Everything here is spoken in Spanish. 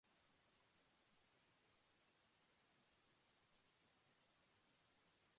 Por lo cual tres veces he rogado al Señor, que se quite de mí.